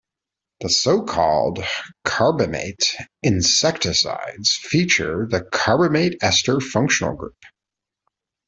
The so-called carbamate insecticides feature the carbamate ester functional group.